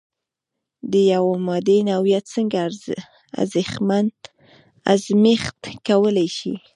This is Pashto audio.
د یوې مادې نوعیت څنګه ازميښت کولی شئ؟